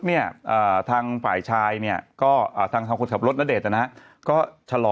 เนี่ยทางฝ่ายชายเนี่ยก็ทางคนขับรถณเดชน์นะฮะก็ชะลอ